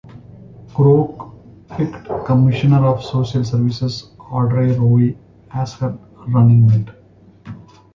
Groark picked Commissioner of Social Services Audrey Rowe as her running mate.